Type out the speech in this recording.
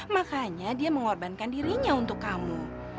makanya dia mengorbankan dirinya untuk kamu